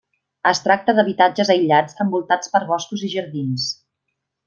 Es tracta d'habitatges aïllats envoltats per boscos i jardins.